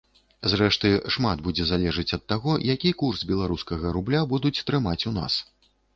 Зрэшты, шмат будзе залежыць ад таго, які курс беларускага рубля будуць трымаць у нас.